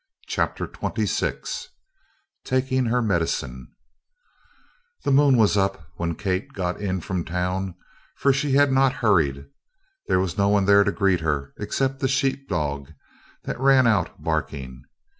CHAPTER XXVI TAKING HER MEDICINE The moon was up when Kate got in from town, for she had not hurried. There was no one there to greet her except the sheep dog that ran out barking.